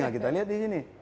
nah kita lihat di sini